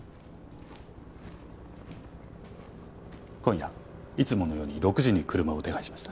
今夜いつものように６時に車を手配しました。